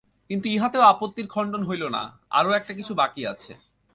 কিন্তু ইহাতেও আপত্তির খণ্ডন হইল না, আরো-একটা কিছু বাকি আছে।